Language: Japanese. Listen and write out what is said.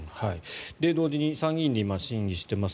同時に参議院で今、審議しています